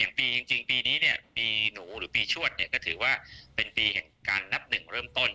จริงปีนี้เนี่ยปีหนูหรือปีชวดเนี่ยก็ถือว่าเป็นปีแห่งการนับหนึ่งเริ่มต้น